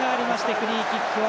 フリーキックです。